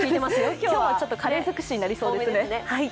今日はカレー尽くしになりそうですね。